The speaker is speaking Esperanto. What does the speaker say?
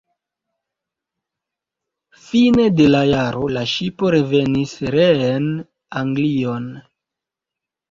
Fine de la jaro la ŝipo revenis reen Anglion.